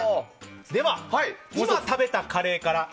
今食べたカレーから。